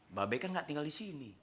mbak be kan gak tinggal disini